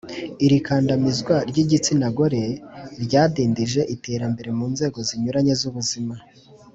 iri kandamizwa ry’igitsina gore ryadindije iterambere mu nzego zinyuranye z’ubuzima